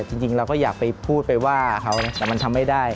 จริงเราก็อยากไปพูดไปว่าเขานะแต่มันทำไม่ได้